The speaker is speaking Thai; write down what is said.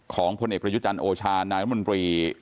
พลเอกประยุจันทร์โอชานายรัฐมนตรี